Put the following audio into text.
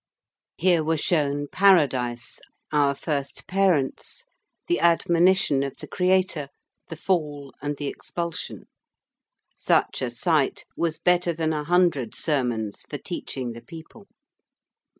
Here were shown Paradise, our first parents, the admonition of the Creator, the Fall, and the expulsion. Such a sight was better than a hundred sermons for teaching the people.